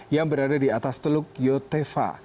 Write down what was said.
yang berada di atas teluk yotefa